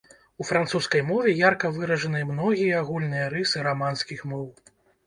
У французскай мове ярка выражаныя многія агульныя рысы раманскіх моў.